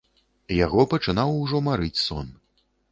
Яго пачынаў ужо марыць сон.